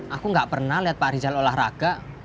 aku gak pernah lihat pak rizal olahraga